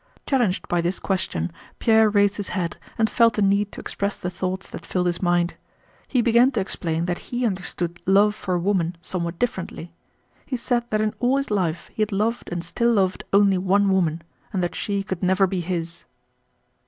Challenged by this question Pierre raised his head and felt a need to express the thoughts that filled his mind. He began to explain that he understood love for a woman somewhat differently. He said that in all his life he had loved and still loved only one woman, and that she could never be his.